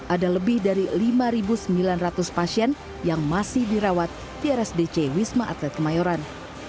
ada lebih dari lima sembilan ratus pasien yang masih dirawat di rsdc wisma atlet kemayoran